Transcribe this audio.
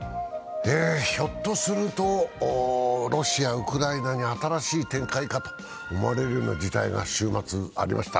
ひょっとするとロシア、ウクライナに新しい展開かと思われるような事態が週末、ありました。